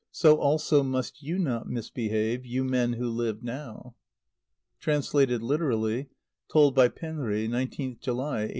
So also must you not misbehave, you men who live now! (Translated literally. Told by Penri, 19th July, 1886.)